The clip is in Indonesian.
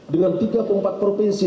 dengan tiga puluh empat provinsi